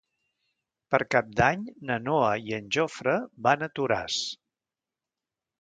Per Cap d'Any na Noa i en Jofre van a Toràs.